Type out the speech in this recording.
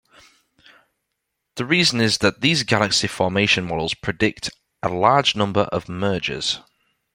The reason is that these galaxy formation models predict a large number of mergers.